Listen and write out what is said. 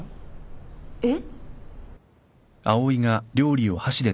えっ？